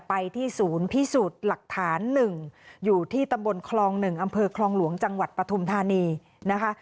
ไปที่ศูนย์พิสูจน์หลักฐาน๑อยู่ที่ตำบลคลอง๑อำเภอคลองหลวงจังหวัดปฐุมธานีนะคะ